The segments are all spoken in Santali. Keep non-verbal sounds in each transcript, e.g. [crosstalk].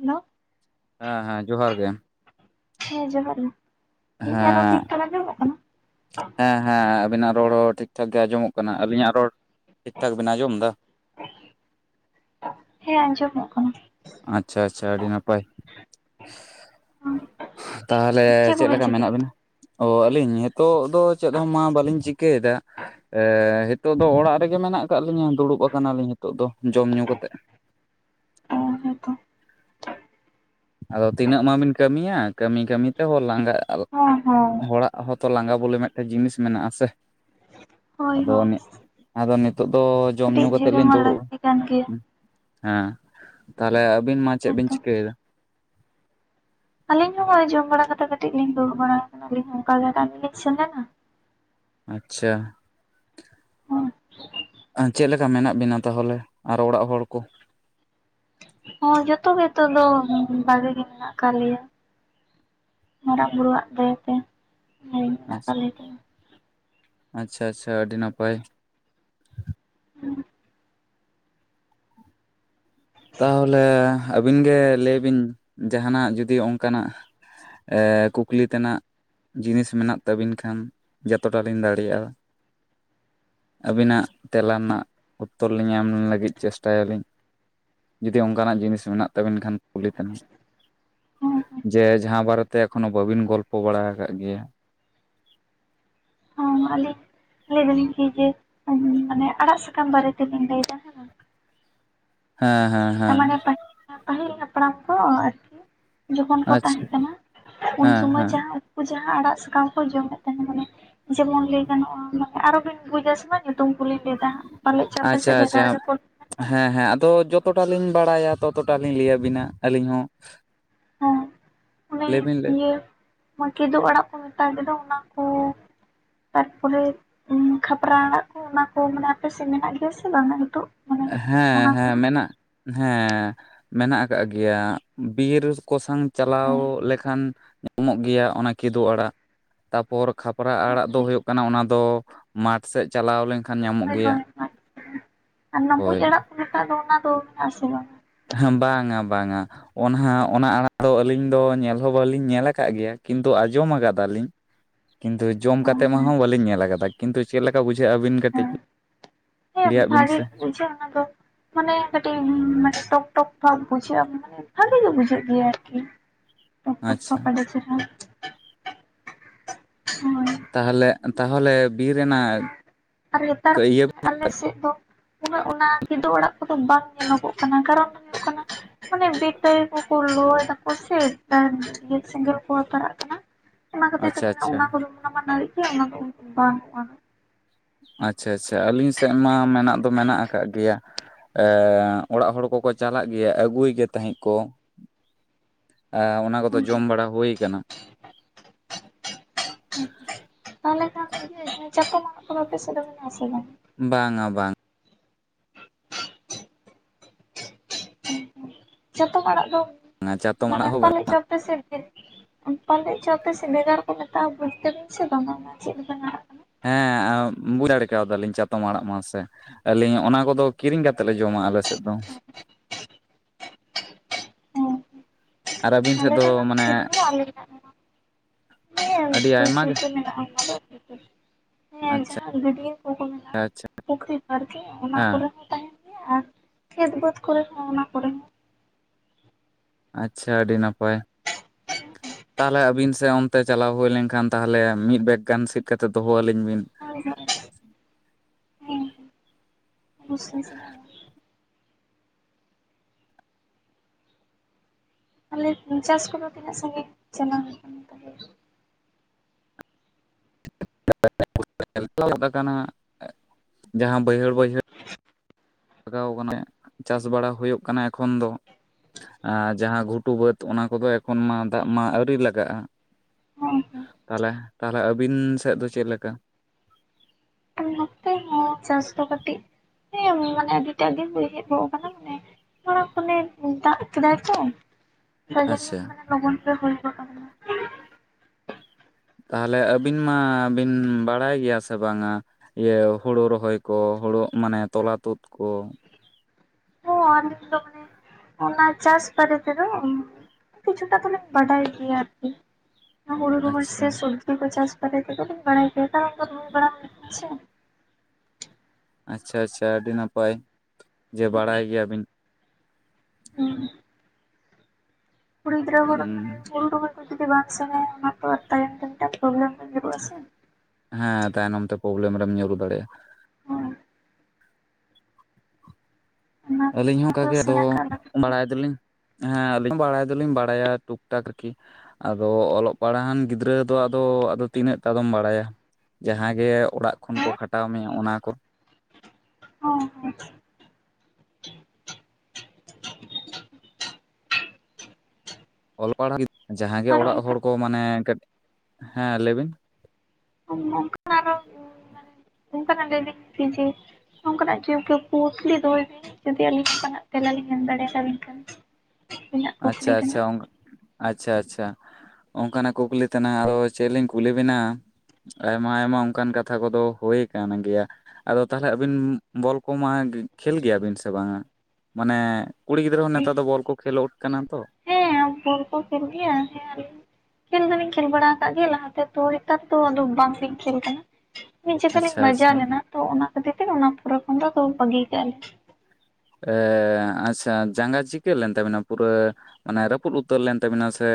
ᱦᱮᱞᱳ᱾ ᱦᱮᱸ ᱦᱮᱸ ᱡᱚᱦᱟᱨ ᱜᱮ᱾ ᱦᱮᱸ ᱡᱚᱦᱟᱨ ᱜᱮ᱾ ᱤᱧ ᱟᱨᱚ ᱦᱮᱸ᱾ ᱴᱷᱤᱠ ᱴᱷᱟᱠ ᱟᱸᱡᱚᱢᱚᱜ ᱠᱟᱱᱟ ᱦᱮᱸ ᱦᱮᱸ ᱟᱵᱤᱱᱟᱜ ᱨᱚᱲ ᱦᱚᱸ ᱴᱷᱤᱠ ᱴᱷᱟᱠ ᱜᱮ ᱟᱸᱡᱚᱢ ᱚᱜ ᱠᱟᱱᱟ᱾ ᱟᱹᱞᱤᱧ ᱟᱜ ᱨᱚᱲ ᱴᱷᱤᱠ ᱴᱷᱟᱠ ᱵᱤᱱ ᱟᱸᱡᱚᱢ ᱫᱟ ᱦᱮᱸ ᱟᱸᱡᱚᱢ ᱚᱜ ᱠᱟᱱᱟ ᱾ ᱟᱪᱪᱷᱟ ᱟᱪᱪᱷᱟ ᱟᱹᱰᱤ ᱱᱟᱯᱟᱭ, ᱛᱟᱦᱞᱮ ᱪᱮᱫ ᱠᱚᱵᱤᱱ ᱞᱮᱠᱟ ᱪᱤᱠᱟᱹ ᱢᱮᱱᱟᱜ ᱵᱤᱱᱟ? ᱚ ᱟᱹᱞᱤᱧ ᱦᱮᱛᱳᱜ ᱫᱚ ᱪᱮᱫ ᱦᱚᱸ ᱢᱟ ᱵᱟᱹᱞᱤᱧ ᱪᱤᱠᱟᱹᱭᱫᱟ᱾ [unintelligible] ᱱᱤᱛᱚᱜ ᱫᱚ ᱚᱲᱟᱜ ᱨᱮᱜᱮ ᱢᱮᱱᱟᱜ ᱟᱠᱟᱫ ᱞᱤᱧᱟᱹ ᱫᱩᱲᱩᱵ ᱟᱠᱟᱱᱟ ᱞᱤᱧ ᱱᱤᱛᱚᱜ ᱫᱚ ᱡᱚᱢ ᱧᱩ ᱠᱟᱛᱮᱫ, ᱚ ᱦᱮᱛᱚ᱾ ᱟᱫᱚ ᱛᱤᱱᱟᱹᱜ ᱢᱟ ᱵᱤᱱ ᱠᱟᱹᱢᱤᱭᱟ ᱠᱟᱹᱢᱤ ᱠᱟᱹᱢᱤ ᱛᱮᱦᱚᱸ ᱞᱟᱸᱜᱟᱜ ᱦᱚᱸ ᱦᱚᱸ ᱦᱚᱲᱟᱜ ᱦᱚᱛᱚ ᱞᱟᱸᱜᱟ ᱵᱚᱞᱮ ᱢᱤᱫᱴᱮᱡ ᱡᱤᱱᱤᱥ ᱢᱮᱱᱟᱜᱼᱟ ᱥᱮ ᱦᱳᱭ ᱟᱫᱚ ᱦᱳᱭ ᱟᱱᱤᱡ ᱟᱫᱚ ᱱᱤᱛ ᱱᱤᱛᱚᱜ ᱫᱚ ᱡᱚᱢ ᱧᱩ ᱠᱟᱹᱴᱤᱡ ᱠᱟᱛᱮᱜ ᱡᱤᱨᱟᱹ ᱞᱤᱧ ᱢᱟ ᱫᱩᱲᱩᱵ, ᱞᱟᱹᱠᱛᱤ ᱠᱟᱱ ᱜᱮᱭᱟ ᱦᱮᱸ ᱛᱟᱦᱚᱞᱮ ᱟᱹᱵᱤᱱ ᱢᱟ ᱪᱮᱫ ᱵᱤᱱ ᱦᱮᱸᱛᱚ ᱪᱤᱠᱟᱹᱭᱫᱟ? ᱟᱞᱤᱧ ᱦᱚᱸ ᱱᱚᱜᱼᱚᱭ ᱡᱚᱢ ᱵᱟᱲᱟ ᱠᱟᱛᱮ ᱠᱟᱹᱴᱤᱡ ᱞᱤᱧ ᱫᱩᱲᱩᱵ ᱵᱟᱲᱟ ᱟᱠᱟᱱᱟ ᱟᱞᱤᱧ ᱦᱚᱸ ᱚᱱᱠᱟ ᱜᱮ ᱠᱟᱹᱢᱤ ᱞᱤᱧ ᱥᱮᱱ ᱞᱮᱱᱟ᱾ ᱟᱪᱪᱷᱟ᱾ ᱦᱚᱸ ᱪᱮᱫ ᱞᱮᱠᱟ ᱢᱮᱱᱟᱜ ᱵᱤᱱᱟ ᱛᱟᱦᱚᱞᱮ ᱟᱨᱚ ᱚᱲᱟᱜ ᱦᱚᱲ ᱠᱚ? ᱦᱚᱸ ᱡᱚᱛᱚ ᱜᱮ ᱱᱤᱛᱚᱜ ᱫᱚ ᱵᱷᱟᱜᱮ ᱜᱮ ᱢᱮᱱᱟᱜ ᱟᱠᱟᱫ ᱞᱮᱭᱟ᱾ ᱢᱟᱨᱟᱝ ᱵᱩᱨᱩᱣᱟᱜ ᱫᱮᱭᱟ ᱛᱮ ᱦᱮ ᱢᱮᱱᱟᱜ ᱟᱪᱪᱷᱟ ᱟᱠᱟᱫ ᱞᱮᱛᱮ, ᱟᱪᱪᱷᱟ ᱟᱪᱪᱷᱟ ᱟᱹᱰᱤ ᱱᱟᱯᱟᱭ᱾ [unintelligible] ᱛᱟᱦᱚᱞᱮ ᱟᱹᱵᱤᱱ ᱜᱮ ᱞᱟᱹᱭ ᱵᱤᱱ ᱡᱟᱦᱟ ᱱᱟᱜ ᱡᱩᱫᱤ ᱚᱱᱠᱟ ᱱᱟᱜ ᱮᱸ ᱠᱩᱠᱞᱤ ᱨᱮᱱᱟᱜ ᱡᱤᱱᱤᱥ ᱢᱮᱱᱟᱜ ᱛᱟᱹᱵᱤᱱ ᱠᱷᱟᱱ ᱡᱚᱛᱚᱴᱟ ᱞᱤᱧ ᱫᱟᱲᱮᱭᱟᱜᱼᱟ᱾ ᱟᱹᱵᱤ ᱱᱟᱜ ᱛᱮᱞᱟ ᱨᱮᱱᱟᱜ ᱩᱛᱚᱨ ᱞᱤᱧ ᱮᱢ ᱞᱟᱹᱜᱤᱫ ᱪᱮᱥᱴᱟᱭ ᱟᱹᱞᱤᱧ᱾ ᱡᱩᱫᱤ ᱚᱱᱠᱟ ᱱᱟᱜ ᱡᱤᱱᱤᱥ ᱢᱮᱱᱟᱜ ᱛᱟᱵᱮᱱ ᱠᱷᱟᱱ ᱠᱩᱞᱤ ᱛᱮᱱᱟᱜ ᱦᱚᱸ ᱡᱮ ᱡᱟᱦᱟᱸ ᱵᱟᱨᱮ ᱛᱮ ᱮᱠᱷᱚᱱᱚ ᱵᱟᱹᱵᱤᱱ ᱜᱚᱞᱯᱷᱚ ᱵᱟᱲᱟ ᱟᱠᱟᱫ ᱜᱮᱭᱟ᱾ ᱦᱮᱸ ᱟᱹᱞᱤᱧ ᱞᱟᱹᱭ ᱫᱟᱞᱤᱧ ᱠᱤ ᱡᱮ ᱢᱟᱱᱮ ᱟᱲᱟᱜ ᱥᱟᱠᱟᱢ ᱵᱟᱨᱮ ᱛᱮ ᱞᱤᱧ ᱞᱟᱹᱭᱫᱟ ᱦᱮᱸ ᱵᱟᱝ [inaudible] ᱦᱮᱸ ᱦᱮᱸ [unintelligible] ᱯᱟᱦᱤᱞ ᱦᱟᱯᱲᱟᱢ ᱠᱚ ᱟᱨᱠᱤ, ᱡᱚᱠᱷᱚᱱ ᱠᱚ ᱛᱟᱦᱮᱸ ᱟᱪᱪᱷᱟ ᱠᱟᱱᱟ ᱩᱱ ᱦᱮᱸ ᱥᱚᱢᱚᱭ ᱦᱮᱸ ᱡᱟᱦᱟᱸ ᱡᱟᱦᱟᱸ ᱟᱲᱟᱜ ᱥᱟᱠᱟᱢ ᱠᱚ ᱡᱚᱢ ᱮᱫ ᱛᱟᱦᱮᱱᱟ ᱢᱟᱱᱮ ᱡᱮ ᱢᱚᱱ ᱞᱟᱹᱭ ᱜᱟᱱᱚᱜᱼᱟ ᱢᱟᱱᱮ ᱟᱨᱚ ᱵᱤᱱ ᱵᱩᱡᱟ ᱥᱮ ᱵᱟᱝ ᱧᱩᱛᱩᱢ ᱠᱚ ᱞᱤᱧ ᱞᱟᱹᱭ ᱫᱟ ᱯᱟᱞᱮᱡ ᱪᱚ ᱟᱯᱮ ᱟᱪᱪᱷᱟ ᱥᱮᱫ ᱟᱪᱪᱷᱟ ᱵᱷᱮᱜᱟᱨ ᱜᱮᱠᱚ, ᱦᱮᱸ ᱦᱮᱸ ᱟᱫᱚ ᱡᱚᱛᱚᱴᱟ ᱞᱤᱧ ᱵᱟᱲᱟᱭᱟ ᱛᱚᱛᱚᱴᱟ ᱞᱤᱧ ᱞᱟᱹᱭ ᱟᱹᱵᱤᱱᱟ ᱟᱹᱞᱤᱧ ᱦᱚᱸ ᱦᱮᱸ ᱚᱱᱮ ᱞᱟᱹᱭᱵᱤᱱ ᱞᱟᱹᱭ ᱤᱭᱟᱹ ᱠᱮᱫᱳᱜ ᱟᱲᱟᱜ ᱠᱚ ᱢᱮᱛᱟᱜ ᱜᱮᱫᱚ ᱚᱱᱟ ᱠᱚ ᱛᱟᱨᱯᱚᱨᱮ ᱠᱷᱟᱯᱨᱟ ᱟᱲᱟᱜ ᱠᱚ ᱚᱱᱟ ᱠᱚ ᱢᱟᱱᱮ ᱟᱯᱮ ᱥᱮᱫ ᱢᱮᱱᱟᱜ ᱜᱮᱭᱟ ᱥᱮ ᱵᱟᱝᱼᱟ ᱱᱤᱛᱚᱜ? ᱢᱟᱱᱮ ᱦᱮᱸ ᱚᱱᱟ ᱦᱮᱸ ᱠᱚᱢᱟ ᱢᱮᱱᱟᱜ᱾ ᱦᱮᱸ ᱢᱮᱱᱟᱜ ᱟᱠᱟᱜ ᱜᱮᱭᱟ ᱵᱤᱨ ᱠᱚ ᱥᱟᱝ ᱪᱟᱞᱟᱣ ᱦᱮᱸ ᱞᱮᱠᱷᱟᱱ ᱧᱟᱢᱚᱜ ᱜᱮᱭᱟ ᱚᱱᱟ ᱠᱮᱫᱳᱜ ᱟᱲᱟᱜ ᱛᱟ ᱯᱚᱨ ᱠᱷᱟᱯᱨᱟ ᱟᱲᱟᱜ ᱫᱚ ᱦᱳᱭᱳᱜ ᱠᱟᱱᱟ ᱚᱱᱟ ᱫᱚ ᱢᱟᱴ ᱥᱮᱫ ᱪᱟᱞᱟᱣ ᱞᱮᱱ ᱠᱷᱟᱱ ᱧᱟᱢᱚᱜ ᱜᱮᱭᱟ᱾ ᱚᱱᱟ ᱦᱳᱭ ᱢᱩᱸᱡᱽ ᱟᱲᱟᱜ ᱠᱚ ᱢᱮᱛᱟᱜ ᱫᱚ ᱚᱱᱟ ᱫᱚ ᱢᱮᱱᱟᱜᱼᱟ ᱥᱮ ᱵᱟᱝ? ᱦᱮᱸ ᱵᱟᱝᱟ ᱵᱟᱝᱟ᱾ ᱚᱱᱦᱟ ᱚᱱᱟ ᱟᱲᱟᱝ ᱫᱚ ᱟᱹᱞᱤᱧ ᱫᱚ ᱧᱮᱞ ᱦᱚᱸ ᱵᱟᱞᱤᱧ ᱧᱮᱞ ᱟᱠᱟᱫ ᱜᱮᱭᱟ ᱠᱤᱱᱛᱩ ᱟᱸᱡᱚᱢ ᱟᱠᱟᱫᱟᱞᱤᱧ᱾ ᱠᱤᱱᱛᱩ ᱡᱚᱢ ᱠᱟᱛᱮ ᱢᱟ ᱦᱚᱸ ᱵᱟᱹᱞᱤᱧ ᱧᱮᱞ ᱟᱠᱟᱫᱟ᱾ ᱠᱤᱱᱛᱩ ᱪᱮᱫᱞᱮᱠᱟ ᱵᱩᱡᱷᱟᱹᱜᱼᱟ ᱟᱹᱵᱤᱱ ᱠᱟᱹᱴᱤᱡ ᱞᱟᱹᱭᱟᱜ ᱵᱤᱱ ᱵᱷᱟᱜᱤ ᱥᱮ ᱵᱩᱡᱷᱟᱹᱜ ᱚᱱᱟ ᱫᱚ ᱢᱟᱱᱮ ᱠᱟᱹᱴᱤᱡ ᱢᱟᱱᱮ ᱴᱚᱠ ᱴᱚᱠ ᱵᱷᱟᱵ ᱵᱩᱡᱷᱟᱹᱜ ᱢᱟᱱᱮ᱾ ᱵᱷᱟᱜᱤ ᱜᱮ ᱵᱩᱡᱷᱟᱹᱜ ᱜᱮᱭᱟ ᱟᱨᱠᱤ ᱴᱚᱠ ᱴᱚᱠ ᱠᱚ ᱟᱪᱪᱷᱟ ᱟᱹᱰᱤ ᱪᱮᱦᱨᱟ᱾ ᱦᱳᱭ ᱛᱟᱦᱞᱮ ᱛᱟᱦᱚᱞᱮ ᱵᱤᱨ ᱨᱮᱱᱟᱜ ᱟᱨ ᱱᱮᱛᱟᱨ ᱤᱭᱟᱹ ᱟᱞᱮ ᱥᱮᱜ ᱫᱚ ᱩᱱᱟᱹᱜ ᱚᱱᱟ ᱠᱤᱫᱩᱹᱵ ᱚᱲᱟᱜ ᱠᱚᱫᱚ ᱵᱟᱝ ᱧᱮᱞᱚᱜᱚᱜ ᱠᱟᱱᱟ ᱠᱟᱨᱚᱱ ᱫᱚ ᱦᱩᱭᱩᱜ ᱠᱟᱱᱟ ᱢᱟᱱᱮ ᱵᱤᱨ ᱫᱟᱹᱭ ᱠᱚᱠᱚ ᱞᱚᱭ ᱫᱟᱠᱚ ᱥᱮ ᱥᱮᱸᱜᱮᱞ ᱠᱚ ᱟᱛᱟᱲᱟᱹᱜ ᱠᱟᱱᱟ᱾ ᱚᱱᱟ ᱠᱷᱟᱹᱛᱤᱨ ᱛᱮ ᱟᱪᱪᱷᱟ ᱢᱟᱱᱮ ᱟᱪᱪᱷᱟ ᱚᱱᱟ ᱠᱚᱫᱚ ᱚᱱᱟ ᱢᱟ ᱱᱟᱰᱤᱜ ᱜᱮᱭᱟ ᱚᱱᱟ ᱫᱚ ᱩᱱᱟᱹᱜ ᱵᱟᱹᱱᱩᱜ ᱟᱱᱤᱡ᱾ ᱟᱪᱪᱷᱟ ᱟᱪᱪᱷᱟ ᱟᱹᱞᱤᱧ ᱥᱮᱫ ᱢᱟ ᱢᱮᱱᱟᱜ ᱫᱚ ᱢᱮᱱᱟᱜ ᱟᱠᱟᱫ ᱜᱮᱭᱟ᱾ ᱮ ᱚᱲᱟᱜ ᱦᱚᱲ ᱠᱚᱠᱚ ᱪᱟᱞᱟᱜ ᱜᱮᱭᱟ᱾ ᱟᱹᱜᱩᱭ ᱜᱮ ᱛᱟᱦᱮᱸᱫ ᱠᱚ᱾ ᱟ ᱚᱱᱟ ᱠᱚᱫᱚ ᱡᱚᱢ ᱵᱟᱲᱟ ᱦᱩᱭ ᱠᱟᱱᱟ᱾ ᱛᱟᱦᱚᱞᱮ ᱠᱷᱟᱱ ᱪᱟᱛᱚᱢ‌ ᱟᱲᱟᱜ ᱠᱚᱫᱚ ᱟᱯᱮᱥᱮᱫ ᱫᱚ ᱢᱮᱱᱟᱜ ᱟᱥᱮ ᱵᱟᱝ? ᱵᱟᱝᱟ ᱵᱟᱝ᱾ ᱪᱟᱛᱚᱢ ᱟᱲᱟᱝ ᱫᱚ ᱪᱟᱛᱚᱢ ᱢᱟᱱᱮ ᱟᱲᱟᱜ ᱦᱚᱸ ᱵᱟᱝ ᱯᱟᱞᱮᱡ ᱪᱚ ᱟᱯᱮ ᱥᱮᱫ ᱜᱮ ᱯᱟᱞᱮᱫ ᱪᱚ ᱟᱯᱮᱥᱮᱫ ᱵᱷᱮᱜᱟᱲ ᱠᱚ ᱢᱮᱛᱟᱜᱼᱟ᱾ ᱵᱩᱡᱛᱮᱵᱤᱱ ᱥᱮ ᱵᱟᱝᱼᱟ ᱚᱱᱟ ᱪᱮᱫ ᱞᱮᱠᱟᱱ ᱟᱲᱟᱜ᱾ ᱠᱟᱱᱟ? ᱦᱮᱸ ᱵᱩᱡ ᱫᱟᱲᱮ ᱠᱟᱣᱫᱟᱞᱤᱧ ᱪᱟᱛᱚᱢ ᱟᱲᱟᱜ ᱢᱟᱥᱮ ᱟᱹᱞᱤᱧ ᱚᱱᱟ ᱠᱚᱫᱚ ᱠᱤᱨᱤᱧ ᱠᱟᱛᱮᱫ ᱞᱮ ᱡᱚᱢᱟ ᱟᱞᱮ ᱥᱮᱫ ᱫᱚ᱾ ᱟᱨ ᱟᱹᱵᱤᱱ ᱥᱮᱫ ᱫᱚ [unintelligible] ᱢᱟᱱᱮ ᱟᱹᱰᱤ ᱟᱭᱢᱟ ᱜᱮ ᱦᱮᱸ ᱟᱪᱪᱷᱟ ᱡᱟᱦᱟᱸ ᱜᱟᱹᱰᱭᱟᱹ ᱠᱚᱠᱚ ᱢᱮᱱᱟᱜᱼᱟ ᱟᱪᱪᱷᱟ ᱯᱩᱠᱷᱨᱤ ᱯᱟᱲᱛᱮ ᱚᱱᱟ ᱦᱮᱸ ᱠᱚᱨᱮ ᱦᱚᱸ ᱛᱟᱦᱮᱱ ᱜᱮᱭᱟ ᱟᱨ ᱠᱷᱮᱛᱵᱟᱫᱽ ᱠᱚᱨᱮ ᱦᱚᱸ ᱚᱱᱟ ᱠᱚᱨᱮ ᱦᱚᱸ᱾ ᱟᱪᱪᱷᱟ ᱟᱹᱰᱤ ᱱᱟᱯᱟᱭ᱾ ᱛᱟᱦᱚᱞᱮ ᱟᱵᱤᱱ ᱥᱮ ᱚᱱᱛᱮ ᱪᱟᱞᱟᱣ ᱦᱩᱭ ᱞᱮᱱᱠᱷᱟᱱ ᱛᱟᱦᱚᱞᱮ ᱢᱤᱫ ᱵᱮᱜ ᱜᱟᱱ ᱥᱤᱫ ᱠᱟᱛᱮ ᱫᱚᱦᱚ ᱟᱹᱞᱤᱧ ᱵᱤᱱ᱾ [unintelligible] [inaudible] ᱟᱞᱮ ᱪᱟᱥ ᱠᱚᱫᱚ ᱛᱤᱱᱟᱹᱜ ᱥᱟᱺᱜᱤᱧ ᱪᱟᱞᱟᱣ ᱦᱩᱭᱩᱜ ᱠᱟᱱ ᱛᱟᱯᱮᱭᱟ? [unintelligible] ᱟᱠᱟᱱᱟ ᱡᱟᱦᱟᱸ ᱵᱟᱹᱭᱦᱟᱹᱲ ᱵᱟᱹᱭᱦᱟᱹᱲ᱾ ᱞᱟᱜᱟᱣ ᱠᱟᱱᱟ᱾ ᱪᱟᱥ ᱵᱟᱲᱟ ᱦᱩᱭᱩᱜ ᱠᱟᱱᱟ ᱮᱠᱷᱚᱱ ᱫᱚ᱾ ᱟᱨ ᱡᱟᱦᱟᱸ ᱜᱷᱩᱴᱩ ᱵᱟᱹᱫᱽ ᱚᱱᱟ ᱠᱚᱫᱚ ᱮᱠᱷᱚᱱ ᱢᱟ ᱫᱟᱜ ᱢᱟ ᱟᱹᱣᱨᱤ ᱞᱟᱜᱟᱜᱼᱟ᱾ ᱦᱚᱸ ᱛᱟᱦᱞᱮ ᱛᱟᱦᱞᱮ ᱟᱹᱵᱤᱱ ᱥᱮᱫ ᱫᱚ ᱪᱮᱫᱞᱮᱠᱟ? [unintelligible] ᱱᱟᱛᱮ ᱦᱚ᱾ ᱪᱟᱥ‌ ᱠᱚ ᱠᱟᱴᱤᱡ ᱦᱮ ᱢᱟᱱᱮ ᱟᱰᱤ ᱴᱟᱜ ᱜᱮ [unintelligible] ᱠᱟᱱᱟ ᱢᱟᱱᱮ᱾ ᱛᱷᱚᱲᱟ ᱠᱷᱚᱱᱮ ᱫᱟᱜ ᱠᱮᱫᱟᱭ ᱛᱚ ᱛᱟᱨ ᱡᱚᱱᱱᱚ ᱟᱪᱪᱷᱟ ᱢᱟᱱᱮ ᱞᱚᱜᱚᱱ ᱜᱮ ᱦᱩᱭ ᱜᱚᱫ ᱟᱠᱟᱱᱟ᱾ ᱛᱟᱦᱚᱞᱮ ᱟᱹᱵᱤᱱ ᱢᱟ ᱵᱤᱱ ᱵᱟᱲᱟᱭ ᱜᱮᱭᱟ ᱥᱮ ᱵᱟᱝᱟ? ᱤᱭᱟᱹ ᱦᱩᱲᱩ ᱨᱚᱦᱚᱭ ᱠᱚ, ᱦᱩᱲᱩ ᱢᱟᱱᱮ ᱛᱚᱞᱟ ᱛᱩᱫ ᱠᱚ᱾ ᱦᱚᱸ ᱟᱞᱤᱧ ᱫᱚ ᱢᱟᱱᱮ ᱚᱱᱟ ᱪᱟᱥ ᱵᱟᱨᱮ ᱛᱮᱫᱚ ᱠᱤᱪᱷᱩᱴᱟ ᱫᱚᱞᱤᱧ ᱵᱟᱰᱟᱭ ᱜᱮᱭᱟ ᱟᱨᱠᱤ᱾ ᱚᱱᱟ ᱦᱩᱲᱩ ᱨᱩᱦᱚᱭ ᱟᱪᱪᱷᱟ ᱥᱮ ᱥᱚᱵᱽᱡᱤ ᱠᱚ ᱪᱟᱥ ᱵᱟᱨᱮᱛᱮᱫᱚ ᱞᱤᱮ ᱠᱟᱨᱚᱱ ᱫᱚ ᱨᱚᱦᱚᱭ ᱵᱟᱲᱟ ᱦᱩᱭ ᱠᱟᱱᱟ ᱥᱮ᱾ ᱟᱪᱪᱷᱟ ᱟᱪᱪᱷᱟ ᱟᱹᱰᱤ ᱱᱟᱯᱟᱭ ᱡᱮ ᱵᱟᱲᱟᱭ ᱜᱮᱭᱟᱵᱤᱱ᱾ ᱦᱩᱸ᱾ ᱠᱩᱲᱤ ᱜᱤᱫᱽᱨᱟᱹ ᱦᱚᱲ ᱢᱟᱱᱮ ᱦᱩᱲᱩ ᱨᱚᱦᱚᱭ ᱠᱚ ᱡᱚᱫᱤ ᱵᱟᱢ ᱥᱮᱸᱲᱟᱭᱟ ᱚᱱᱟ ᱛᱚ ᱟᱨ ᱛᱟᱭᱚᱢ ᱛᱮ ᱢᱤᱫᱴᱟᱝ ᱯᱨᱚᱵᱞᱮᱢ ᱨᱮᱢ ᱧᱩᱨᱩᱜᱼᱟ ᱥᱮ᱾ ᱦᱮᱸ ᱛᱟᱭᱱᱚᱢ ᱛᱮ ᱯᱨᱚᱵᱽᱞᱮᱢ ᱨᱮᱢ ᱧᱩᱨᱩᱜ ᱫᱟᱲᱮᱜᱼᱟ᱾ ᱦᱳᱭ ᱚᱱᱟ ᱟᱹᱞᱤᱧ ᱦᱚᱸ ᱚᱱᱠᱟᱜ ᱚᱱᱟᱫᱚ ᱜᱮ ᱟᱫᱚ ᱥᱮᱬᱟ ᱠᱟᱜ ᱞᱟᱹᱠᱛᱤ ᱦᱮᱸ ᱵᱟᱲᱟᱭ ᱫᱟᱞᱤᱧ ᱦᱮᱸ ᱟᱞᱤᱧ ᱦᱚ ᱵᱟᱲᱟᱭ ᱫᱚᱞᱤᱧ ᱵᱟᱲᱟᱭᱟ ᱴᱩᱠ-ᱴᱟᱠ ᱟᱨᱠᱤ᱾ ᱟᱫᱚ ᱚᱞᱚᱜ ᱯᱟᱲᱦᱟᱣᱟᱱ ᱜᱤᱫᱽᱨᱟᱹ ᱫᱚ ᱟᱫᱚ ᱟᱫᱚ ᱛᱤᱱᱟᱹᱜ ᱴᱟᱫᱚᱢ ᱵᱟᱲᱟᱭᱟ᱾ ᱡᱟᱦᱟᱸ ᱜᱮ ᱚᱲᱟᱜ ᱠᱷᱚᱱ ᱠᱚ ᱠᱷᱟᱴᱟᱣ ᱢᱮ ᱚᱱᱟ ᱠᱚ᱾ ᱚᱸ ᱚᱞᱚᱜ ᱯᱟᱲᱦᱟᱜ ᱡᱟᱦᱟᱸᱜᱮ ᱟᱨ ᱚᱲᱟᱜ ᱚᱱᱠᱟ ᱦᱚᱲ ᱠᱚ ᱢᱟᱱᱮ ᱠᱟᱹᱴᱤᱡ ᱦᱮᱸ ᱞᱟᱹᱭ ᱵᱤᱱ᱾ [unintelligible] ᱚᱱᱠᱟᱱᱟᱜ ᱞᱟᱹᱭ ᱡᱮ ᱱᱚᱝᱠᱟᱱᱟᱜ [unintelligible] ᱫᱚᱦᱚᱭ ᱵᱤᱱ ᱡᱩᱫᱤ ᱟᱹᱞᱤᱧ ᱚᱱᱠᱟᱱᱟᱜ ᱛᱮᱞᱟᱞᱤᱧ ᱮᱢ ᱫᱟᱲᱮᱭᱟᱛᱟᱵᱤᱱ ᱠᱷᱟᱱ᱾ ᱟᱹᱵᱤᱱᱟᱜ ᱟᱪᱪᱷᱟ ᱠᱩᱠᱞᱤ ᱟᱪᱪᱷᱟ ᱨᱮᱱᱟᱜ ᱚᱱ ᱟᱪᱪᱷᱟ ᱟᱪᱪᱷᱟ ᱚᱱᱠᱟᱱᱟᱜ ᱠᱩᱠᱞᱤ ᱛᱮᱱᱟᱜ ᱟᱨᱚ ᱪᱮᱫ ᱞᱤᱧ ᱠᱩᱞᱤ ᱵᱤᱱᱟ᱾ ᱟᱭᱢᱟ ᱟᱭᱢᱟ ᱚᱱᱠᱟᱱ ᱠᱟᱛᱷᱟ ᱠᱚᱫᱚ ᱦᱳᱭ ᱠᱟᱱ ᱜᱮᱭᱟ᱾ ᱟᱫᱚ ᱛᱟᱦᱚᱞᱮ ᱟᱹᱵᱤᱱ ᱵᱚᱞ ᱠᱚᱢᱟ ᱠᱷᱮᱞ ᱜᱮᱭᱟᱵᱤᱱ ᱥᱮ ᱵᱟᱝᱼᱟ ᱢᱟᱱᱮ ᱠᱩᱲᱤ ᱜᱤᱫᱽᱨᱟᱹ ᱦᱚᱸ ᱱᱮᱛᱟᱨ ᱫᱚ ᱵᱚᱞ ᱠᱚ ᱠᱷᱮᱞᱳᱰ ᱠᱟᱱᱟ ᱛᱚ᱾ ᱦᱮᱸ ᱵᱚᱞ ᱠᱚ ᱯᱷᱮᱞ ᱜᱮᱭᱟ ᱦᱮᱸ ᱟ. ᱞᱤᱧ ᱠᱷᱮᱞ ᱫᱚᱞᱤᱧ ᱠᱷᱮᱞ ᱵᱟᱲᱟ ᱟᱠᱟᱫ ᱜᱮᱭᱟ ᱞᱟᱦᱟ ᱛᱮᱛᱚ ᱦᱮᱛᱟᱨ ᱫᱚ‌ ᱟᱫᱚ ᱵᱟᱝᱞᱤᱧ ᱠᱷᱮᱞ ᱠᱟᱱᱟ᱾ ᱢᱤᱫ ᱡᱟᱭᱜᱟ ᱨᱮᱞᱤᱧ ᱟᱪᱪᱷᱟ ᱵᱟᱡᱟᱣ ᱟᱪᱪᱷᱟ ᱞᱮᱱᱟ ᱛᱚ ᱚᱱᱟ ᱠᱷᱟᱹᱛᱤᱨ ᱛᱮ ᱚᱱᱟ ᱯᱩᱨᱟᱹ ᱠᱷᱚᱱ ᱫᱚ ᱵᱟᱹᱜᱤ ᱠᱟᱜᱼᱟ ᱞᱤᱧ᱾ ᱮᱻ ᱟᱪᱪᱷᱟ ᱡᱟᱸᱜᱟ ᱪᱤᱠᱟᱹ ᱞᱮᱱ ᱛᱟᱵᱤᱱᱟ ᱯᱩᱨᱟᱹ ᱢᱟᱱᱮ ᱨᱟᱹᱯᱩᱫ ᱩᱛᱟᱹᱨ ᱞᱮᱱ ᱛᱟᱵᱤᱱᱟ ᱥᱮ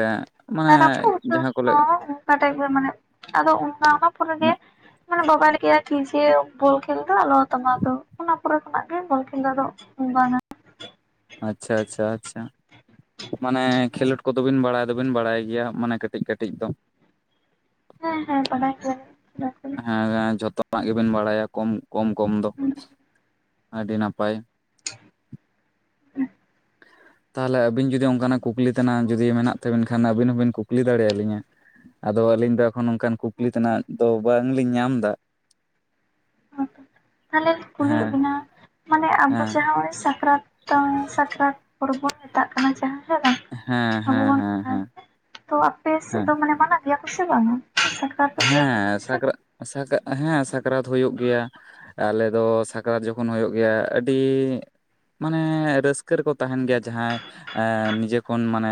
ᱢᱟᱱᱮ ᱨᱟ. ᱯᱩᱫ ᱩᱛᱟ. ᱡᱟᱦᱟᱸ ᱠᱚ ᱨ ᱞᱟᱹᱭ ᱫᱚ ᱠᱟᱴᱟᱭ ᱠᱚ ᱢᱟᱱᱮ ᱟᱫᱚ ᱚᱱᱟ ᱢᱟ ᱯᱚᱨᱮᱜᱮ ᱢᱟᱱᱮ ᱵᱟᱵᱟᱭ ‌ᱞᱟ. ᱭ ᱠᱮᱫ [unintelligible] ᱟ ᱠᱷᱮᱞ ᱫᱚ ᱟᱞᱚ ᱟᱛᱟᱢᱟ ᱫᱚ ᱚᱱᱟ ᱯᱚᱨᱮ ᱠᱷᱚᱱᱟᱜ ᱜᱮ ᱵᱚᱞ ᱠᱷᱮᱞ ᱫᱚ ᱟᱫᱚ ᱵᱟᱝᱼᱟ᱾ ᱟᱪᱪᱷᱟ ᱟᱪᱪᱷᱟ ᱟᱪᱪᱷᱟ ᱢᱟᱱᱮ ᱠᱷᱮᱞᱳᱰ ᱠᱚᱫᱚ ᱵᱤᱱ ᱵᱟᱲᱟᱭ ᱫᱚᱵᱤᱱ ᱵᱟᱲᱟᱭ ᱜᱮᱭᱟ ᱢᱟᱱᱮ ᱠᱟᱹᱴᱤᱡ ᱠᱟᱹᱴᱤᱡ ᱫᱚ᱾ [unintelligible] ᱦᱮᱸ ᱦᱮᱸ ᱵᱟᱰᱟᱭ ᱜᱮᱭᱟᱞᱤᱧ [inaudible] ᱮᱸ ᱡᱷᱚᱛᱚᱱᱟᱜ ᱜᱮᱵᱮᱱ ᱵᱟᱲᱟᱭᱟ ᱠᱚᱢ ᱠᱚᱢ ᱠᱚᱢ ᱫᱚ ᱟᱹᱰᱤ ᱱᱟᱯᱟᱭ᱾ [unintelligible] ᱛᱟᱦᱚᱞᱮ ᱟᱹᱵᱤᱱ ᱡᱩᱫᱤ ᱚᱱᱠᱟᱱᱟᱜ ᱠᱩᱠᱞᱤ ᱛᱮᱱᱟᱜ ᱡᱩᱫᱤ ᱢᱮᱱᱟᱜ ᱛᱟᱹᱵᱤᱱ ᱠᱷᱟᱱ ᱟᱹᱵᱤᱱ ᱦᱚᱸᱵᱤᱱ ᱠᱩᱠᱞᱤ ᱫᱟᱲᱮᱭᱟᱞᱤᱧᱟ᱾ ᱟᱫᱚ ᱟᱹᱞᱤᱧ ᱫᱚ ᱮᱠᱷᱚᱱ ᱚᱱᱠᱟᱱ ᱠᱩᱠᱞᱤ ᱛᱮᱱᱟᱜ ᱫᱚ ᱵᱟᱝᱞᱤᱧ ᱧᱟᱢ ᱫᱟ᱾ ᱛᱟᱦᱚᱞᱮ ᱠᱩᱞᱤᱤᱭ ᱵᱮᱱᱟ ᱢᱟᱱᱮ ᱟᱵᱚ ᱦᱮᱸ ᱥᱮᱫ ᱱᱚᱜ ᱚᱭ ᱥᱟᱠᱨᱟᱛ ᱛᱚᱝ ᱥᱟᱠᱨᱟᱛ ᱯᱚᱨᱚᱵᱽ ᱵᱚᱱ ᱢᱮᱛᱟᱜ ᱠᱟᱱᱟ ᱡᱟᱦᱟᱸ᱾ ᱦᱮᱸ ᱵᱟᱝ ᱦᱮᱸ ᱟᱵᱚ ᱦᱮᱸ ᱵᱚᱱ ᱦᱮᱸ ᱦᱮᱸ ᱛᱚ ᱟᱯᱮ ᱥᱮᱫ ᱫᱚ ᱢᱟᱱᱮ ᱢᱟᱱᱟ [inaudible] ᱜᱮᱭᱟ ᱠᱚ ᱥᱮ ᱵᱟᱝᱼᱟ᱾ ᱦᱮᱸ ᱥᱟᱠᱨᱟ ᱥᱟᱠ ᱦᱮᱸ ᱥᱟᱠᱨᱟᱛ ᱦᱳᱭᱳᱜ ᱜᱮᱭᱟ᱾ ᱟᱞᱮ ᱫᱚ ᱥᱟᱠᱨᱟᱛ ᱡᱚᱠᱷᱚᱱ ᱦᱩᱭᱩᱜ ᱜᱮᱭᱟ ᱟᱹᱰᱤ ᱢᱟᱱᱮ ᱨᱟᱹᱥᱠᱟᱹ ᱨᱮᱠᱚ ᱛᱟᱦᱮᱱ ᱜᱮᱭᱟ ᱡᱟᱦᱟᱸᱭ ᱮ ᱱᱤᱡᱮ ᱠᱷᱚᱱ ᱢᱟᱱᱮ᱾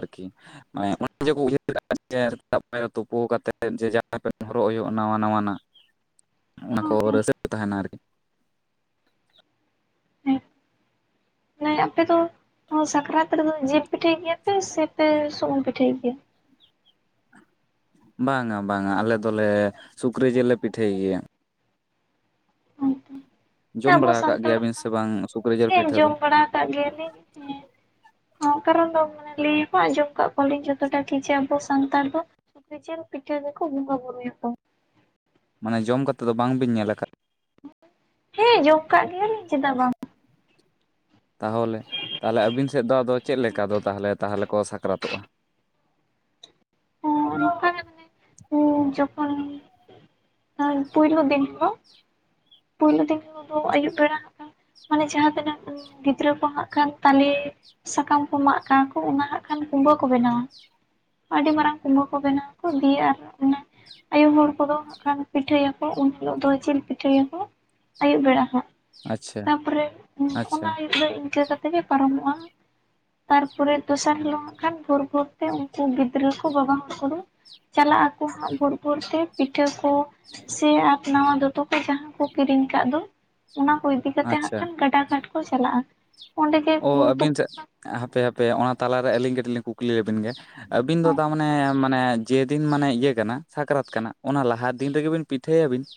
ᱟᱨᱠᱤ ᱢᱟᱱᱮ ᱚᱱᱮ ᱡᱮᱠᱚ ᱩᱭᱦᱟᱹᱨ ᱠᱟᱜ ᱟ ᱡᱮ ᱥᱮᱛᱟᱜ ᱯᱟᱭᱟᱨ ᱨᱮ ᱛᱩᱯᱩ ᱠᱟᱛᱮᱫ ᱡᱮ ᱡᱟᱦᱟᱸ ᱯᱮᱱ ᱦᱚᱨᱚᱜ ᱦᱩᱭᱩᱜᱼᱟ ᱱᱟᱣᱟ ᱱᱟᱣᱟᱱᱟᱜ᱾ ᱚᱱᱟ ᱠᱚ ᱨᱟᱹᱥ ᱦᱮᱸ ᱛᱟᱦᱮᱱᱟ ᱟᱨᱠᱤ᱾ ᱢᱟᱱᱮ ᱟᱯᱮ ᱫᱚ ᱥᱟᱠᱨᱟᱛ ᱨᱮᱫᱚ ᱡᱮᱞ ᱯᱤᱴᱷᱟᱹᱭ ᱜᱮᱭᱟᱯᱮ ᱥᱮᱯᱮ ᱥᱩᱱᱩᱢ ᱯᱤᱴᱷᱟᱹᱭ ᱜᱮᱭᱟ? ᱵᱟᱝᱼᱟ ᱵᱟᱝᱼᱟ ᱟᱞᱮ ᱫᱚᱞᱮ ᱥᱩᱠᱨᱤ ᱡᱮᱞ ᱞᱮ ᱯᱤᱴᱷᱟᱹᱭ ᱜᱮᱭᱟ᱾ ᱡᱚᱢ ᱟᱵᱚ ᱵᱟᱲᱟ ᱠᱟᱜ ᱥᱟᱱᱛᱟᱲ ᱜᱮᱭᱟᱵᱤᱱ ᱥᱮ ᱵᱟᱝ ᱥᱩᱠᱨᱤ ᱡᱮᱞ ᱯᱤᱴᱷᱟᱹ ᱫᱚ᱾ ᱠᱟᱜ ᱜᱮᱭᱟ ᱞᱤᱧ᱾ [unintelligible] ᱠᱟᱨᱚᱱ ᱫᱚ ᱞᱟᱹᱭ ᱠᱚ ᱟᱸᱡᱚᱢ ᱠᱟᱜ ᱠᱚᱣᱟᱞᱤᱧ ᱡᱚᱛᱚᱴᱟ ᱠᱤ ᱡᱮ ᱟᱵᱚ ᱥᱟᱱᱛᱟᱲ ᱫᱚ᱾ ᱥᱩᱠᱨᱤ ᱡᱮᱞ ᱯᱤᱴᱷᱟ. ᱜᱮᱠᱚ ᱵᱚᱸᱜᱟ ᱵᱩᱨᱩᱭᱼᱟ ᱠᱚ᱾ ᱢᱟᱱᱮ ᱡᱚᱢ ᱠᱟᱛᱮᱫ ᱫᱚ ᱵᱟᱝᱵᱤᱱ ᱧᱮᱞ ᱠᱟᱫ ᱦᱮᱸ ᱡᱚᱢ ᱠᱟᱜ ᱜᱮᱭᱟᱞᱤᱧ ᱪᱮᱫᱟᱜ ᱵᱟᱝ ᱾ ᱛᱟᱦᱚᱞᱮ ᱛᱟᱦᱚᱞᱮ ᱟᱹᱵᱤᱱ ᱥᱮᱫ ᱫᱚ ᱟᱫᱚ ᱪᱮᱫ ᱞᱮᱠᱟ ᱫᱚ ᱛᱟᱦᱚᱞᱮ ᱛᱟᱦᱚᱞᱮ ᱠᱚ ᱥᱟᱠᱨᱟᱛᱚᱜᱼᱟ? ᱚᱱᱠᱟ ᱢᱟᱱᱮ ᱡᱚᱠᱷᱚᱱ ᱯᱩᱭᱞᱩ ᱫᱤᱱ ᱨᱮ ᱠᱚ ᱯᱩᱭᱞᱩ ᱫᱤᱱ ᱦᱤᱞᱚᱜ ᱫᱚ ᱟᱹᱭᱩᱵ ᱵᱮᱲᱟ ᱦᱟᱸᱜ ᱠᱷᱟᱱ ᱢᱟᱱᱮ ᱡᱟᱦᱟᱸ ᱛᱤᱱᱟᱹᱜ ᱜᱤᱫᱽᱨᱟᱹ ᱠᱚ ᱦᱟᱸᱜ ᱠᱟᱱ ᱛᱟᱞᱮ ᱥᱟᱠᱟᱢ ᱠᱚ ᱢᱟᱜ ᱠᱟᱜ ᱟᱠᱚ ᱚᱱᱟ ᱦᱟᱸᱜ ᱠᱷᱟᱱ ᱠᱩᱸᱵᱟᱹ ᱠᱚ ᱵᱮᱱᱟᱣᱟ ᱾ ᱟᱹᱰᱤ ᱢᱟᱨᱟᱝ ᱠᱩᱸᱵᱟᱹ ᱠᱚ ᱵᱮᱱᱟᱣᱟᱠᱚ ᱫᱤᱭᱮ ᱟᱨ ᱚᱱᱮ ᱟᱭᱳ ᱦᱚᱲ ᱠᱚᱫᱚ ᱦᱟᱸᱜ ᱠᱷᱟᱱ ᱯᱤᱴᱷᱟᱹᱭᱟᱠᱚ ᱩᱱ ᱦᱤᱞᱚᱜ ᱫᱚ ᱡᱤᱞ ᱯᱤᱴᱷᱟᱹᱭᱟ ᱠᱚ ᱟᱹᱭᱩᱵ ᱵᱮᱲᱟ ᱦᱟᱸᱜ ᱟᱪᱪᱷᱟ ᱛᱟᱯᱚᱨᱮ ᱚᱱᱟ ᱟᱪᱪᱷᱟ ᱟᱹᱭᱩᱵ ᱫᱚ ᱤᱱᱠᱟᱹ ᱠᱟ ᱛᱮᱜᱮ ᱯᱟᱨᱚᱢᱚᱜᱼᱟ ᱾ ᱛᱟᱨᱯᱚᱨᱮ ᱫᱚᱥᱟᱨ ᱦᱤᱞᱚᱜ ᱦᱟᱸᱜ ᱠᱷᱟᱱ ᱵᱷᱳᱨ ᱵᱷᱳᱨ ᱛᱮ ᱩᱝᱠᱩ ᱜᱤᱫᱽᱨᱟᱹ ᱠᱚ ᱵᱟᱵᱟ ᱦᱚᱲ ᱠᱚᱫᱚ ᱪᱟᱞᱟᱜ ᱟᱠᱚ ᱦᱟᱸᱜ ᱵᱷᱳᱨ ᱵᱷᱳᱨ ᱛᱮ ᱯᱤᱴᱷᱟᱹ ᱠᱚ ᱥᱮ ᱟᱠ ᱱᱟᱣᱟ ᱫᱚᱛᱚ ᱠᱚ ᱡᱟᱦᱟᱸ ᱠᱚ ᱠᱤᱨᱤᱧ ᱠᱟᱜ ᱫᱚ ᱚᱱᱟ ᱠᱚ ᱤᱫᱤ ᱠᱟᱛᱮ ᱦᱟᱸᱜ ᱟᱪᱪᱷᱟ ᱠᱷᱟᱱ ᱜᱟᱰᱟ ᱜᱷᱟᱴ ᱠᱚ ᱪᱟᱞᱟᱜᱼᱟ ᱾ ᱚ ᱟᱹᱵᱤᱱ ᱪᱮᱜ ᱦᱟᱯᱮ ᱦᱟᱯᱮ ᱚᱱᱟ ᱛᱟᱞᱟᱨᱮ ᱟᱹᱞᱤᱧ ᱠᱟᱹᱴᱤᱜ ᱞᱤᱧ ᱠᱩᱠᱞᱤ ᱞᱮᱵᱮᱱ ᱜᱮ? ᱟᱹᱵᱤᱱ ᱫᱚ ᱛᱟᱢᱟᱱᱮ ᱢᱟᱱᱮ ᱡᱮᱫᱤᱱ ᱢᱟᱱᱮ ᱤᱭᱟᱹ ᱠᱟᱱᱟ ᱥᱟᱠᱨᱟᱛ ᱠᱟᱱᱟ ᱚᱱᱟ ᱞᱟᱦᱟ ᱫᱤᱱ ᱨᱮᱜᱮ ᱵᱤᱱ ᱯᱤᱴᱷᱟᱹᱭᱟᱵᱤᱱ ᱾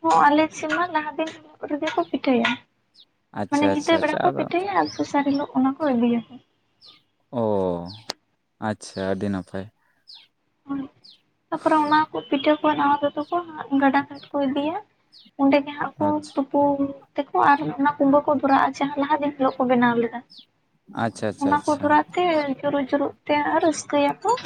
ᱦᱚᱸ ᱟᱞᱮ ᱥᱮᱱᱢᱟ ᱞᱟᱦᱟ ᱫᱤᱱ ᱦᱤᱞᱚᱜ ᱨᱮᱜᱮ ᱠᱚ ᱯᱤᱴᱷᱟᱹᱭᱟ ᱾ ᱢᱟᱱᱮ ᱟᱪᱪᱷᱟ ᱟᱪᱪᱷᱟ ᱧᱤᱫᱟᱹ ᱵᱮᱲᱟ ᱟᱪᱪᱷᱟ ᱠᱚ ᱟᱫᱚ ᱯᱤᱴᱷᱟᱹᱭᱟ ᱟᱨ ᱫᱚᱥᱟᱨ ᱦᱤᱞᱚᱜ ᱚᱱᱟ ᱠᱚ ᱟᱹᱜᱩᱭᱟᱠᱚ ᱾ ᱚ ᱟᱪᱪᱷᱟ ᱟᱹᱰᱤ ᱱᱟᱯᱟᱭ ᱾ ᱛᱟᱯᱚᱨᱮ ᱚᱱᱟ ᱦᱚᱸ ᱠᱚ ᱯᱤᱴᱷᱟᱹ ᱠᱚ ᱱᱟᱣᱟ ᱫᱚᱛᱚ ᱠᱚ ᱦᱟᱸᱜ ᱜᱟᱰᱟ ᱜᱷᱟᱴ ᱠᱚ ᱤᱫᱤᱭᱟ ᱾ ᱚᱸᱰᱮ ᱜᱮ ᱦᱟᱸᱜ ᱠᱚ ᱟᱪᱪᱷᱟ ᱛᱩ ᱯᱩᱱ ᱛᱮᱠᱚ ᱟᱨ ᱚᱱᱟ ᱠᱩᱢᱵᱟᱹ ᱠᱚ ᱵᱷᱚᱨᱟᱜᱼᱟ ᱡᱟᱦᱟᱸ ᱞᱟᱦᱟ ᱫᱤᱱ ᱦᱤᱞᱚᱜ ᱠᱚ ᱵᱮᱱᱟᱣ ᱞᱮᱫᱟ ᱾ ᱟᱪᱪᱷᱟ ᱟᱪᱪᱷᱟ ᱚᱱᱟ ᱠᱚ ᱟᱪᱪᱷᱟ ᱫᱷᱚᱨᱟ ᱛᱮ ᱡᱩᱨᱩᱜ ᱡᱩᱨᱩᱜ ᱛᱮ ᱟᱨ ᱨᱟᱹᱥᱠᱟᱹᱭᱟᱠᱚ ᱾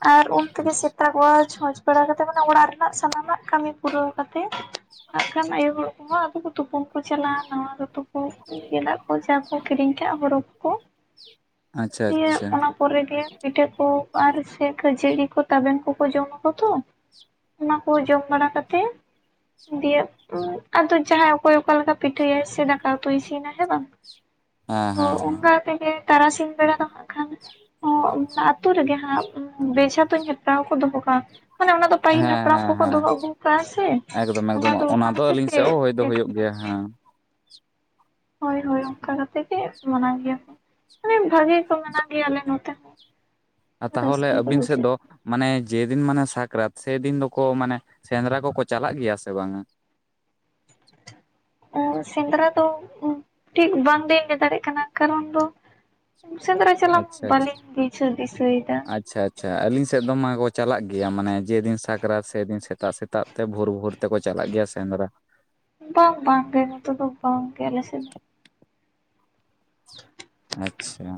ᱟᱨ ᱩᱱ ᱛᱮᱜᱮ ᱥᱮᱛᱟᱜ ᱣᱟ ᱪᱷᱚᱸᱪ ᱵᱟᱲᱟ ᱠᱟᱛᱮ ᱢᱟᱱᱮ ᱚᱲᱟᱜ ᱨᱮᱱᱟᱜ ᱥᱟᱱᱟᱢᱟᱜ ᱠᱟᱹᱢᱤ ᱯᱩᱨᱟᱹᱣ ᱠᱟᱛᱮ ᱾ ᱟᱜᱠᱷᱟᱱ ᱟᱭᱳ ᱦᱳᱲ ᱠᱚ ᱦᱚᱸ ᱟᱫᱚ ᱛᱩᱯᱩᱩᱱ ᱠᱚ ᱪᱟᱞᱟᱜᱼᱟ ᱱᱟᱣᱟ ᱫᱚᱛᱚ ᱩᱱᱠᱩ ᱜᱮᱸᱫᱟᱜ ᱠᱚ ᱡᱟ ᱠᱚ ᱠᱤᱨᱤᱧ ᱠᱟᱜ ᱦᱚᱨᱚᱜ ᱠᱚ ᱟᱪᱪᱷᱟ ᱟᱪᱪᱷᱟ ᱱᱤᱭᱟᱹ ᱟᱪᱪᱷᱟ ᱚᱱᱟ ᱠᱚᱨᱮ ᱜᱮ ᱯᱤᱴᱷᱟᱹ ᱠᱚ ᱟᱨ ᱥᱮ ᱠᱷᱟᱹᱡᱟᱹᱲᱤ ᱠᱚ ᱛᱟᱵᱮᱱ ᱠᱚᱠᱚ ᱡᱚᱢᱟᱠᱚ ᱛᱚ ᱾ ᱚᱱᱟ ᱠᱚ ᱡᱚᱢ ᱵᱟᱲᱟ ᱠᱟᱛᱮ ᱫᱤᱭᱮ ᱟᱫᱚ ᱡᱟᱦᱟᱸᱭ ᱚᱠᱚᱭ ᱚᱠᱟᱞᱮᱠᱟ ᱯᱤᱴᱷᱟᱹᱭᱟᱭ ᱥᱮ ᱫᱟᱠᱟ ᱩᱛᱩᱭ ᱤᱥᱤᱱᱟᱭ ᱦᱮ ᱵᱟᱝ ᱦᱮᱸ ᱛᱚ ᱦᱮᱸ ᱦᱮᱸ ᱚᱱᱟ ᱛᱮᱜᱮ ᱛᱟᱨᱟᱥᱤᱧ ᱵᱮᱲᱟ ᱫᱚ ᱦᱟᱸᱜ ᱠᱷᱟᱱ ᱚᱸᱜ ᱚᱱᱟ ᱟᱹᱛᱩ ᱨᱮᱜᱮ ᱼᱼ ᱱᱟᱜ ᱵᱮᱡᱷᱟ ᱛᱩᱧ ᱦᱮᱯᱨᱟᱣ ᱠᱚ ᱫᱚᱦᱚ ᱠᱟᱜᱼᱟ ᱢᱟᱱᱮ ᱚᱱᱟ ᱫᱚ ᱯᱟᱹᱦᱤᱞ ᱦᱮᱸ ᱱᱟᱯᱲᱟᱢ ᱠᱚ ᱦᱮᱸ ᱠᱚ ᱦᱮᱸ ᱫᱚᱦᱚ ᱟᱹᱜᱩ ᱠᱟᱜᱼᱟ ᱥᱮ ᱮᱠᱫᱚᱢ ᱚᱱᱟ ᱮᱠᱫᱚᱢ ᱫᱚ ᱚᱱᱟ ᱠᱷᱟᱹᱛᱤᱨ ᱟᱹᱞᱤᱧ ᱛᱮ ᱥᱮᱫ ᱦᱚᱸ ᱦᱳᱭ ᱫᱚ ᱦᱩᱭᱩᱜ [unintelligible] ᱜᱮᱭᱟ ᱦᱮᱸ ᱾ ᱦᱚᱭ ᱦᱚᱭ ᱚᱝᱠᱟ ᱠᱟᱛᱮ ᱜᱮ ᱢᱟᱱᱟᱣ ᱜᱮᱭᱟ ᱠᱚ ᱾ ᱢᱟᱱᱮ ᱵᱷᱟᱹᱜᱤ ᱜᱮᱠᱚ ᱢᱟᱱᱟ ᱜᱮᱭᱟ ᱟᱞᱮ ᱱᱚᱛᱮ ᱛᱟᱦᱚᱞᱮ ᱨᱟᱹᱥᱠᱟᱹ ᱜᱮ ᱟᱹᱵᱤᱱ ᱥᱮᱜ ᱫᱚ ᱵᱩᱡᱷᱟᱹᱜᱼᱟ ᱢᱟᱱᱮ ᱡᱮᱫᱤᱱ ᱢᱟᱱᱮ ᱥᱟᱠᱨᱟᱛ ᱥᱮᱫᱤᱱ ᱫᱚᱠᱚ ᱢᱟᱱᱮ ᱥᱮᱸᱫᱽᱨᱟ ᱠᱚᱠᱚ ᱪᱟᱞᱟᱜ ᱜᱮᱭᱟ ᱥᱮ ᱵᱟᱝᱼᱟ? ᱚᱸ ᱥᱮᱸᱫᱽᱨᱟ ᱫᱚ ᱴᱷᱤᱠ ᱵᱟᱝ ᱞᱤᱧ ᱞᱟᱹᱭ ᱫᱟᱲᱮᱜ ᱠᱟᱱᱟ ᱠᱟᱨᱚᱱ ᱫᱚ ᱥᱮᱸᱫᱽᱨᱟ ᱪᱟᱞᱟᱣ ᱢᱟ ᱟᱪᱪᱷᱟ ᱟᱪᱪᱷᱟ ᱵᱟᱹᱞᱤᱧ ᱵᱩᱡᱷᱟᱹᱣ ᱫᱤᱥᱟᱹᱭᱮᱫᱟ ᱾ ᱟᱪᱪᱷᱟ ᱟᱪᱪᱷᱟ ᱟᱹᱞᱤᱧ ᱥᱮᱫ ᱫᱚ ᱢᱟᱠᱚ ᱪᱟᱞᱟᱜ ᱜᱮᱭᱟ ᱢᱟᱱᱮ ᱡᱮᱫᱤᱱ ᱥᱟᱠᱨᱟᱛ ᱥᱮᱫᱤᱱ ᱥᱮᱛᱟᱜ ᱥᱮᱛᱟᱜ ᱛᱮ ᱵᱷᱳᱨ ᱵᱷᱳᱨ ᱛᱮᱠᱚ ᱪᱟᱞᱟᱜ ᱜᱮᱭᱟ ᱥᱮᱸᱫᱽᱨᱟ ᱾ ᱱᱚᱛᱮ ᱫᱚ ᱵᱟᱝ ᱜᱮ ᱱᱚᱛᱮ ᱫᱚ ᱵᱟᱝᱜᱮ ᱟᱞᱮ ᱥᱮᱱ ᱟᱪᱪᱷᱟᱻ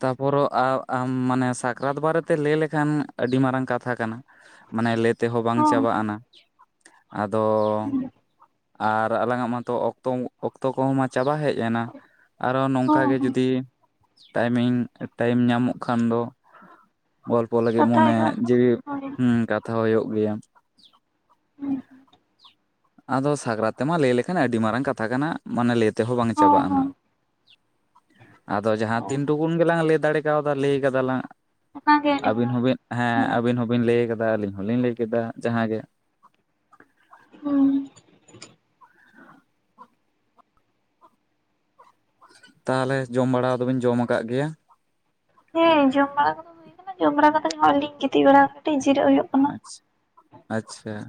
ᱛᱟᱯᱚᱨᱚ ᱟᱨ ᱟᱢ ᱢᱟᱱᱮ ᱥᱟᱠᱨᱟᱛ ᱵᱟᱨᱮᱛᱮ ᱞᱮᱭ ᱞᱮᱠᱷᱟᱱ ᱟᱹᱰᱤ ᱢᱟᱨᱟᱝ ᱠᱟᱛᱷᱟ ᱠᱟᱱᱟ, ᱢᱟᱱᱮ ᱞᱮ ᱛᱮᱦᱚᱸ ᱵᱟᱝ ᱦᱚᱸ ᱪᱟᱵᱟᱜ ᱟᱱᱟ᱾ ᱟᱫᱚ ᱟᱨ ᱟᱞᱟᱝᱟᱜ ᱢᱟᱛᱚ ᱚᱠᱛᱚ ᱚᱠᱛᱚ ᱠᱚᱦᱚᱸ ᱢᱟ ᱪᱟᱵᱟ ᱦᱮᱡ ᱮᱱᱟ, ᱟᱨᱚ ᱱᱚᱝᱠᱟ ᱦᱚᱸ ᱜᱮ ᱦᱚᱸ ᱡᱩᱫᱤ ᱴᱟᱹᱭᱢᱤᱝ ᱴᱟᱭᱤᱢ ᱧᱟᱢᱚᱜ ᱠᱷᱟᱱ ᱫᱚ ᱜᱚᱞ ᱯᱚ ᱞᱟᱹᱜᱤᱫ ᱠᱟᱛᱷᱟ ᱢᱚᱱᱮ ᱦᱩᱭᱩᱜᱼᱟ ᱡᱤᱣᱤ ᱦᱳᱭ ᱦᱩᱸ ᱠᱟᱛᱷᱟ ᱦᱳᱭᱳᱜ ᱜᱮᱭᱟ ᱾ ᱦᱩᱸ, ᱟᱫᱚ ᱥᱟᱠᱨᱟᱛ ᱛᱮᱢᱟ ᱞᱮᱭ ᱞᱮᱠᱷᱟᱱ ᱟᱹᱰᱤ ᱢᱟᱨᱟᱝ ᱠᱟᱛᱷᱟ ᱠᱟᱱᱟ, ᱢᱟᱱᱮ ᱞᱮᱭ ᱛᱮᱦᱚᱸ ᱵᱟᱝ ᱦᱚᱸ ᱪᱟᱵᱟᱜᱼᱟ ᱦᱚᱸ ᱱᱟᱜ ᱾ ᱟᱫᱚ ᱡᱟᱦᱟᱸ ᱛᱤᱱ ᱴᱩᱠᱩᱱ ᱜᱮᱞᱟᱝ ᱞᱮᱭ ᱫᱟᱲᱮ ᱠᱟᱣᱫᱟ ᱞᱮᱭ ᱠᱟᱫᱟᱞᱟᱝ ᱚᱱᱟᱜᱮ ᱾ ᱟᱹᱰᱤ ᱟᱹᱵᱤᱱ ᱢᱟᱨᱟᱝ ᱦᱚᱸᱵᱤᱱ ᱦᱮᱸ ᱟᱹᱵᱤᱱ ᱦᱚᱸᱵᱤᱱ ᱞᱮᱭ ᱠᱟᱫᱟ, ᱟᱹᱞᱤᱧ ᱦᱚᱞᱤᱧ ᱞᱮᱭ ᱠᱮᱫᱟ, ᱡᱟᱦᱟ ᱜᱮ ᱾ ᱦᱩᱸ, ᱛᱟᱦᱚᱞᱮ ᱡᱚᱢ ᱵᱟᱲᱟ ᱠᱚ ᱫᱚ ᱵᱤᱱ ᱡᱚᱢ ᱟᱠᱟᱜ ᱜᱮᱭᱟ? ᱦᱮᱸ ᱡᱚᱢ ᱵᱟᱲᱟ ᱠᱚᱫᱚ ᱦᱩᱭ ᱠᱟᱱᱟ᱾ ᱡᱚᱢ ᱵᱟᱲᱟ ᱠᱟᱛᱮᱜ ᱜᱮ ᱦᱚᱜᱼᱚᱭ ᱞᱤᱧ ᱜᱤᱛᱤᱡ ᱵᱟᱲᱟ ᱠᱟᱹᱴᱤᱡ ᱡᱤᱨᱟᱹᱜ ᱦᱳᱭᱳᱜ ᱠᱟᱱᱟ ᱾ ᱟᱪᱪᱷᱟ ᱾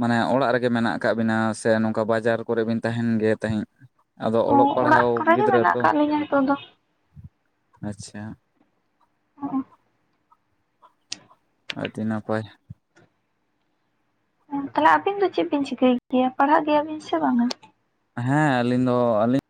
ᱢᱟᱱᱮ ᱚᱲᱟᱜ ᱨᱮᱜᱮ ᱢᱮᱱᱟᱜ ᱟᱠᱟᱜ ᱵᱤᱱᱟ ᱥᱮ ᱱᱚᱝᱠᱟ ᱵᱟᱡᱟᱨ ᱠᱚᱨᱮ ᱵᱮᱱ ᱛᱟᱦᱮᱱ ᱜᱮᱭᱟ ᱛᱟᱦᱤᱡ? ᱟᱫᱚ ᱚ ᱚᱞᱚᱜ ᱚᱲᱟᱜ ᱯᱟᱲᱦᱟᱣ ᱠᱚᱨᱮ ᱜᱮ ᱜᱤᱫᱽᱨᱟᱹ ᱢᱮᱱᱟᱜ ᱛᱚ, ᱟᱠᱟᱫ ᱞᱤᱧᱟᱹ ᱱᱤᱛᱚᱜ ᱫᱚ ᱟᱪᱪᱷᱟ ᱾ [unintelligible] ᱟᱹᱰᱤ ᱱᱟᱯᱟᱭ ᱾ ᱛᱟᱞᱦᱮ ᱟᱹᱵᱤᱱ ᱫᱚ ᱪᱮᱫ ᱵᱤᱱ ᱪᱤᱠᱟᱹᱭ ᱜᱮᱭᱟ ᱯᱟᱲᱦᱟᱜ ᱜᱮᱭᱟᱵᱤᱱ ᱥᱮ ᱵᱟᱝᱼᱟ? ᱦᱮᱸ ᱟᱹᱞᱤᱧ ᱫᱚ ᱟᱹᱞᱤᱧ